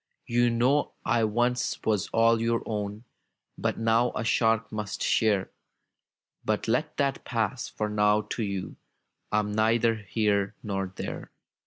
"You know I once was all your own. But now a shark must share! But let that pass — ^for now to you I'm neither here nor there.